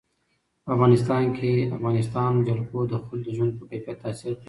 په افغانستان کې د افغانستان جلکو د خلکو د ژوند په کیفیت تاثیر کوي.